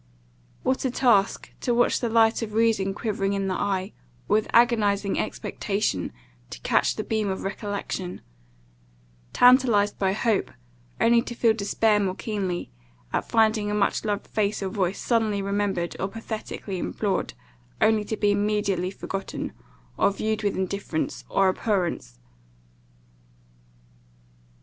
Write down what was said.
What a task, to watch the light of reason quivering in the eye, or with agonizing expectation to catch the beam of recollection; tantalized by hope, only to feel despair more keenly, at finding a much loved face or voice, suddenly remembered, or pathetically implored, only to be immediately forgotten, or viewed with indifference or abhorrence!